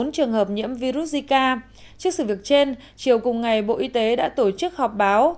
bốn trường hợp nhiễm virus zika trước sự việc trên chiều cùng ngày bộ y tế đã tổ chức họp báo